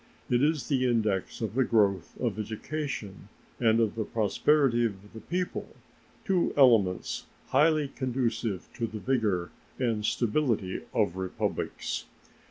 It is the index of the growth of education and of the prosperity of the people, two elements highly conducive to the vigor and stability of republics.